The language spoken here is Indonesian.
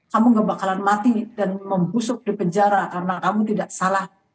kamu gak bakalan mati dan membusuk di penjara karena kamu tidak salah